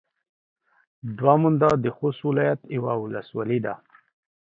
دوه منده د خوست ولايت يوه ولسوالي ده.